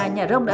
nhà rông đã